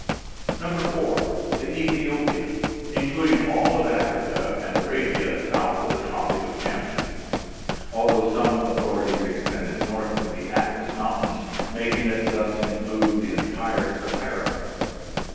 4. The Ethiopian, including all of Africa and Arabia south of GEOGRAPHIC DISTRIBUTION 65 the Tropic of Cancer, although some authorities extend it north to the Atlas Mountains, making it thus include the entire Sahara.